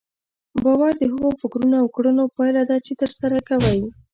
باور د هغو فکرونو او کړنو پايله ده چې ترسره کوئ.